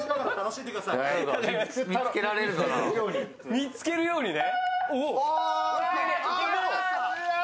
見つけるようにね。